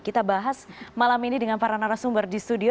kita bahas malam ini dengan para narasumber di studio